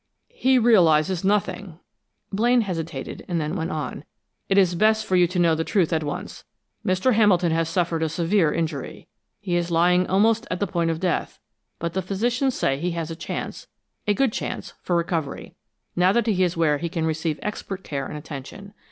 "He realizes nothing." Blaine hesitated, and then went on: "It is best for you to know the truth at once. Mr. Hamilton has suffered a severe injury. He is lying almost at the point of death, but the physicians say he has a chance, a good chance, for recovery, now that he is where he can receive expert care and attention.